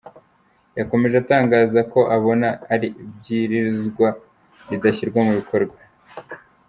Yakomeje atangaza ko abona iri bwirizwa ridashyirwa mu bikorwa.